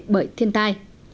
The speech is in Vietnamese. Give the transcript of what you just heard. bởi thiên tai